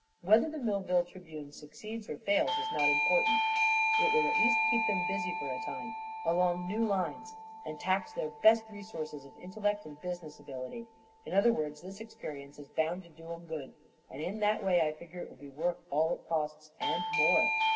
Whether the Millville Tribune succeeds or fails is not important; it will at least keep them busy for a time, along new lines, and tax their best resources of intellect and business ability. In other words, this experience is bound to do 'em good, and in that way I figure it will be worth all it costs and more.